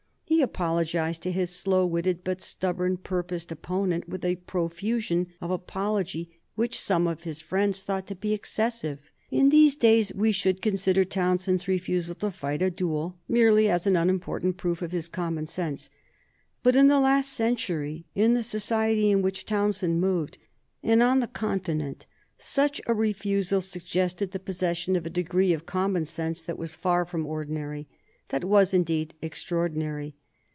He apologized to his slow witted but stubborn purposed opponent with a profusion of apology which some of his friends thought to be excessive. In these days we should consider Townshend's refusal to fight a duel merely as an unimportant proof of his common sense, but in the last century, in the society in which Townshend moved, and on the Continent, such a refusal suggested the possession of a degree of common sense that was far from ordinary that was, indeed, extraordinary.